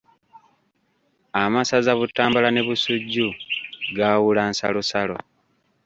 Amasaza Butambala ne Busujju gaawula nsalosalo.